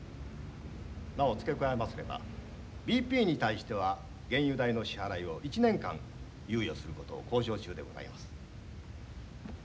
なお付け加えますればＢＰに対しては原油代の支払いを１年間猶予することを交渉中でございます。